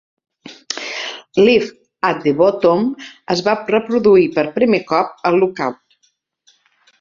Live at the Bottom... es va reproduir per primer cop a Lookout!